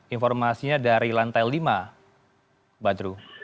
informasinya dari lantai lima badru